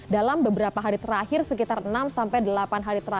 jadi kita harus sama sama